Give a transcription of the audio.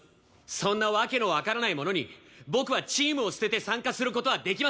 そんな訳のわからないものに僕はチームを捨てて参加する事はできません！